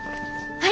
はい！